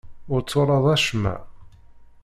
Ur twalaḍ acemma.